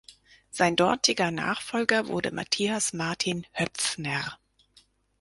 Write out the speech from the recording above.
Sein dortiger Nachfolger wurde Matthias Martin Höpfner.